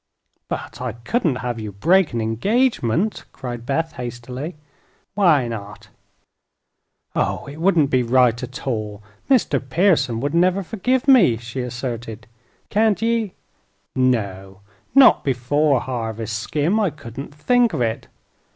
"But I couldn't have you break an engagement," cried Beth, hastily. "Why not?" "Oh, it wouldn't be right, at all. Mr. Pearson would never forgive me," she asserted. "Can't ye " "No; not before harvest, Skim. I couldn't think of it."